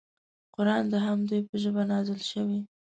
قران د همدوی په ژبه نازل شوی.